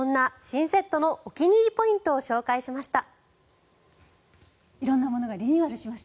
新セットのお気に入りポイントを紹介しました。